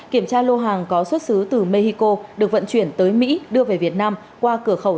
kiểm tra lô hàng có xuất xứ từ mexico được vận chuyển tới mỹ đưa về việt nam qua cửa khẩu